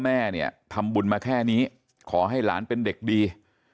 แม่เนี่ยทำบุญมาแค่นี้ขอให้หลานเป็นเด็กดี